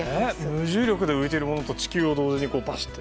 無重力で浮いてるものと地球を同時にパシャッと。